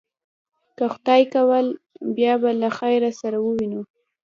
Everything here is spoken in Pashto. که خدای کول، بیا به له خیره سره ووینو.